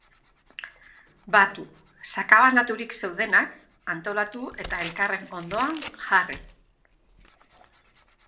Batu: sakabanaturik zeudenak, antolatu eta elkarren ondoan jarri.